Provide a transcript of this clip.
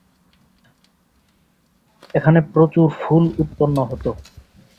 এখানে প্রচুর ফুল উৎপন্ন হত।